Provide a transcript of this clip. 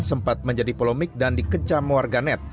sempat menjadi polemik dan dikecam warga net